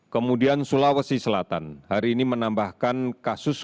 kemudian sulawesi selatan hari ini menambahkan kasus